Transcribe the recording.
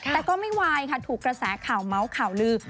แต่ก็ไม่ไหวค่ะถูกกระแสข่าวเมาส์ข่าวลือ